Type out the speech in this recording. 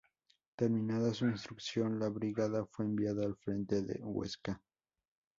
Terminada su instrucción, la brigada fue enviada al frente de Huesca.